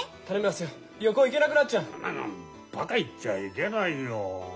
バカ言っちゃいけないよ。